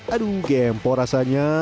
aduh gempo rasanya